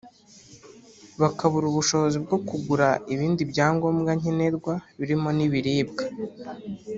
bakabura ubushobozi bwo kugura ibindi byangombwa nkenerwa birimo n’ibiribwa